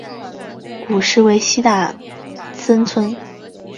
古时为西大森村。